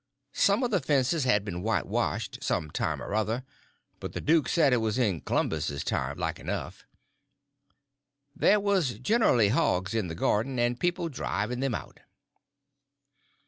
Some of the fences had been whitewashed, some time or another, but the duke said it was in Clumbus's time, like enough. There was generly hogs in the garden, and people driving them out.